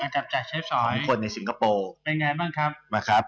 จับจ่ายใช้สอนคนในสิงคโปร์เป็นไงบ้างครับนะครับ